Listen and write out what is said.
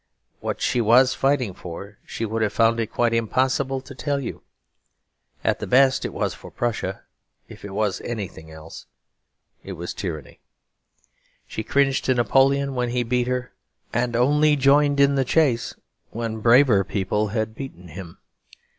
What she was fighting for she would have found it quite impossible to tell you. At the best, it was for Prussia; if it was anything else, it was tyranny. She cringed to Napoleon when he beat her, and only joined in the chase when braver people had beaten him.